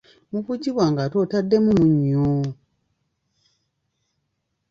Mu buugi bwange ate otaddemu munnyo!